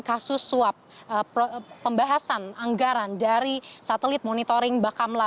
kasus suap pembahasan anggaran dari satelit monitoring bakamla